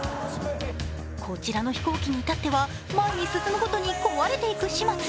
こちらの飛行機に至っては、前に進むごとに壊れていく始末。